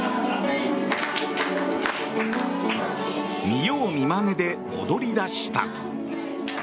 見よう見まねで踊り出した。